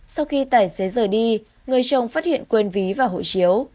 sau khi tài xế rời đi người chồng phát hiện quên ví và hộ chiếu